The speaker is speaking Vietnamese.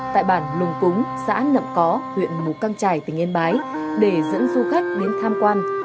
tại bản lùng cúng xã nậm có huyện mù căng trải tỉnh yên bái để dẫn du khách đến tham quan